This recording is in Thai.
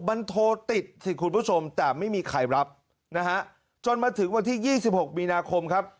มันโทรติดสิคุณผู้ชมแต่ไม่มีใครรับนะฮะจนมาถึงวันที่๒๖มีนาคมครับ